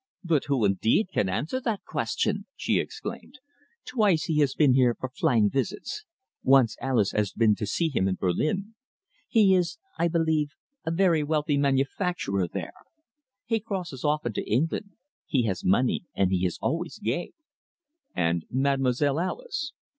"But who, indeed, can answer that question?" she exclaimed. "Twice he has been here for flying visits. Once Alice has been to see him in Berlin. He is, I believe, a very wealthy manufacturer there. He crosses often to England. He has money, and he is always gay." "And Mademoiselle Alice?"